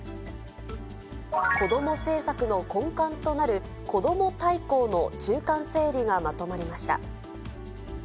こども政策の根幹となる、こども大綱の中間整理がまとまりました。